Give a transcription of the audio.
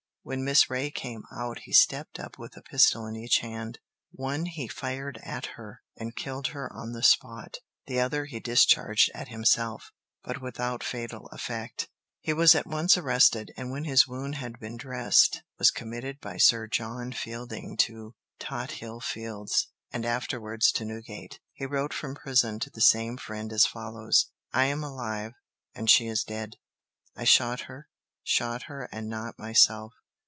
When Miss Reay came out he stepped up with a pistol in each hand. One he fired at her, and killed her on the spot; the other he discharged at himself, but without fatal effect. He was at once arrested, and when his wound had been dressed, was committed by Sir John Fielding to Tothill Fields, and afterwards to Newgate. He wrote from prison to the same friend as follows: "I am alive——and she is dead. I shot her, shot her, and not myself.